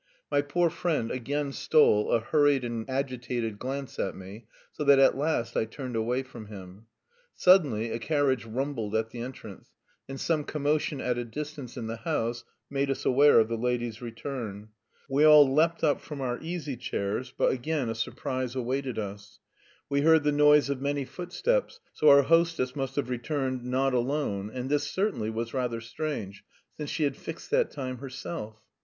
My poor friend again stole a hurried and agitated glance at me, so that at last I turned away from him. Suddenly a carriage rumbled at the entrance, and some commotion at a distance in the house made us aware of the lady's return. We all leapt up from our easy chairs, but again a surprise awaited us; we heard the noise of many footsteps, so our hostess must have returned not alone, and this certainly was rather strange, since she had fixed that time herself.